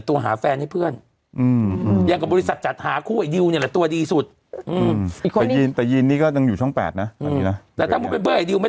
แต่คือเขาแต่มีผู้พิมพ์นาวอยู่สิงคโปร์เหมือนเขาก็ทำเกี่ยวกับ